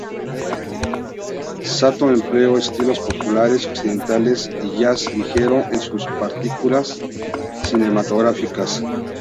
Sato empleó estilos populares occidentales y jazz ligero en sus partituras cinematográficas.